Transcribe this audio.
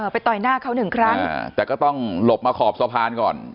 ต่อยหน้าเขาหนึ่งครั้งแต่ก็ต้องหลบมาขอบสะพานก่อน